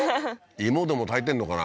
芋でもたいてんのかな？